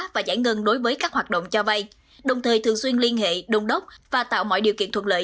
và giải ngân đối với các hoạt động cho vay đồng thời thường xuyên liên hệ đồng đốc và tạo mọi điều kiện thuận lợi